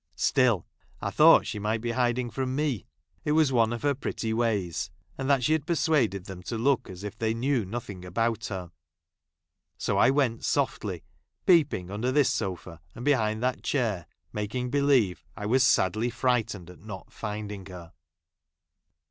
Still I thought she might be hiding from me ; it was one of her pretty ways ; and that she had ! persiiaded them to look as if they knew nothing about her ; so I went softly peeping under this sofa, and behind that chair, I making believe I was sadly frightened at not I finding her.